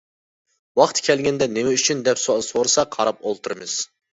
ۋاقتى كەلگەندە نېمە ئۈچۈن دەپ سوئال سورىسا قاراپ ئولتۇرىمىز.